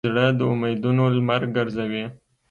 زړه د امیدونو لمر ګرځوي.